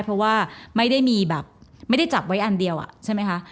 เพราะว่าไม่ได้มีแบบไม่ได้จับไว้อันเดียวใช่ไหมคะ